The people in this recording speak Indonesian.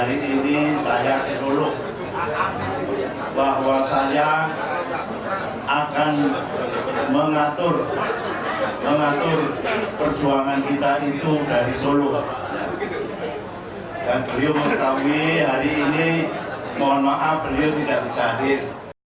ini mohon maaf beliau tidak bisa hadir